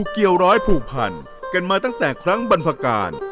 เกี่ยวร้อยผูกพันกันมาตั้งแต่ครั้งบรรพการ